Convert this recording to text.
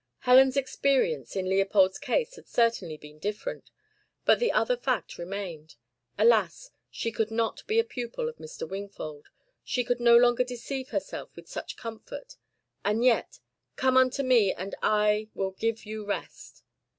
Helen's experience in Leopold's case had certainly been different, but the other fact remained. Alas, she could not be a pupil of Mr. Wingfold! She could no longer deceive herself with such comfort. And yet! COME UNTO ME, AND I WILL GIVE YOU REST.